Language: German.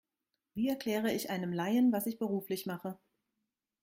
Wie erkläre ich einem Laien, was ich beruflich mache?